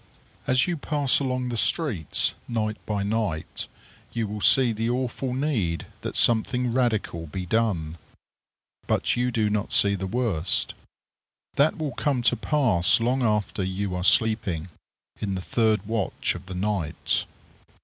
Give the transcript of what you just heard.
As you pass along the streets, night by night, you will see the awful need that something radical be done. But you do not see the worst. That will come to pass long after you are sleeping in the third watch of the night.